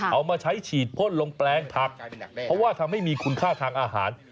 เอามาใช้ฉีดพ่นลงแปลงผักเพราะว่าทำให้มีคุณค่าทางอาหาร